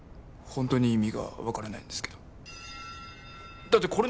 ホントに意味が分からないんですけどだって